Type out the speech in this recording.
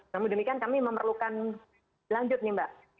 namun demikian kami memerlukan lanjut nih mbak